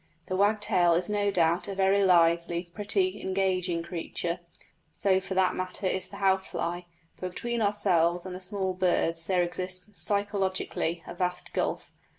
The wagtail is no doubt a very lively, pretty, engaging creature so for that matter is the house fly but between ourselves and the small birds there exists, psychologically, a vast gulf.